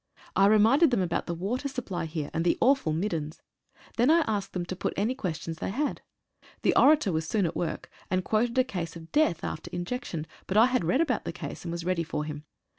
I reminded them about the water supply here, and the awful "middens." Then I asked them to put any questions they had. The orator was soon at work, and quoted a case of death after injection, but I had read about that case, and was ready for him.